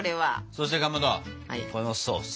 そしてかまどこのソース。